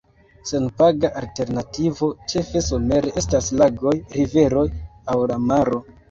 Senpaga alternativo, ĉefe somere estas lagoj, riveroj aŭ la maro.